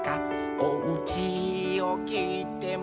「おうちをきいても」